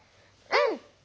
うん！